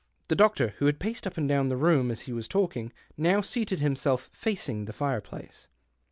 The doctor, who had paced up and down lie room as he was talking, now seated him self, facing the fireplace.